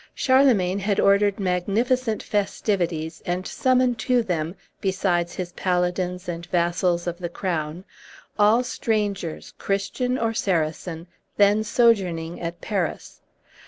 Charlemagne had ordered magnificent festivities, and summoned to them, besides his paladins and vassals of the crown, all strangers, Christian or Saracen, then sojourning at Paris.